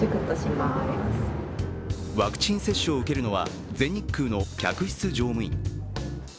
ワクチン接種を受けるのは全日空の客室乗務員。